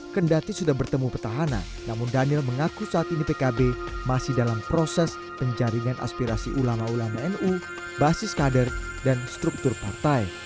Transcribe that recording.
kendati sudah bertemu petahana namun daniel mengaku saat ini pkb masih dalam proses penjaringan aspirasi ulama ulama nu basis kader dan struktur partai